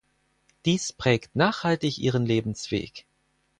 Dies prägt nachhaltig ihren Lebensweg.